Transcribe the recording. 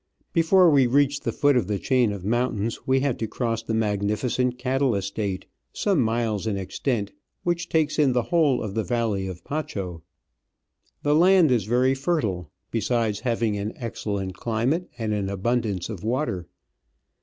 Before we reached the foot of the chain of mountains we had to cross the magnifi cent cattle estate, some miles in extent, which takes in Digitized by VjOOQIC OF AN Orchid Hunter, , 143 the whole of the valley of Pacho. The land is very fertile, besides having ah excellent climate and an abundance of water.